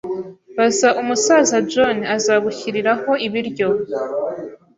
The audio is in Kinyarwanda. baza umusaza John, azagushyiriraho ibiryo. ”